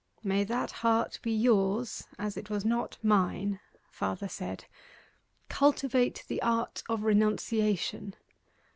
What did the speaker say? May that heart be yours as it was not mine," father said. "Cultivate the art of renunciation."